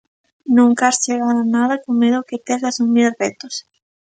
Nunca has chegar a nada co medo que tes de asumir retos.